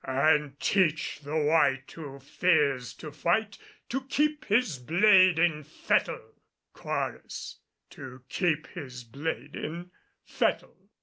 And teach the wight Who fears to fight To keep his blade in fettle Chorus: To keep his blade in fettle!"